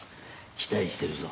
期待してるぞ。